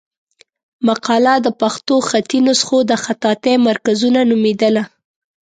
مقاله د پښتو خطي نسخو د خطاطۍ مرکزونه نومېدله.